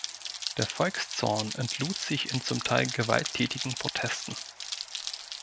Der Volkszorn entlud sich in zum Teil gewalttätigen Protesten.